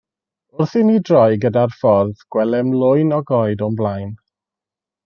Wrth i ni droi gyda'r ffordd gwelem lwyn o goed o'n blaen.